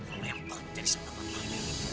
kalian semua yang penting sampai matahari